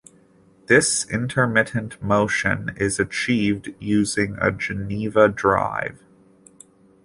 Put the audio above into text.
This intermittent motion is achieved using a Geneva drive.